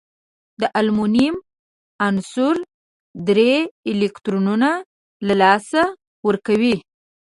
د المونیم عنصر درې الکترونونه له لاسه ورکوي.